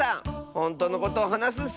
ほんとうのことをはなすッス！